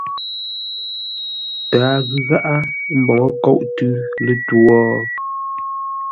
Tǎa ghʉ gháʼá mboŋə́ nkôʼ tʉ̌ lətwǒ?